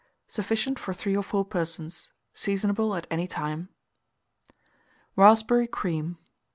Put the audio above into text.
Sufficient for 3 or 4 persons. Seasonable at any time. RASPBERRY CREAM.